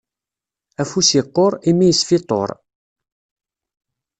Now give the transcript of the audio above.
Afus iqquṛ, imi isfiṭṭuṛ.